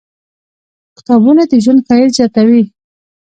• کتابونه، د ژوند ښایست زیاتوي.